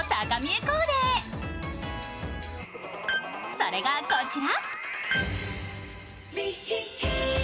それがこちら。